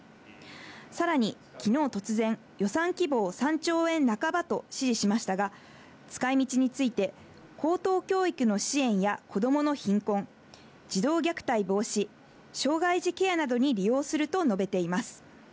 さらに、きのう突然、予算規模を３兆円半ばと指示しましたが、使いみちについて、高等教育の支援やこどもの貧困、児童虐待防止、障害児ケアなどに利用すると述べています。